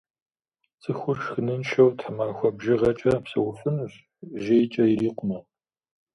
Цӏыхур шхыныншэу тхьэмахуэ бжыгъэкӏэ псэуфынущ, жейкӏэ ирикъумэ.